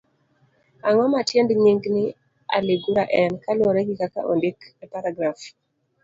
Ang'o ma tiend nying' ni aligura en, kaluwore gi kaka ondik e paragraf?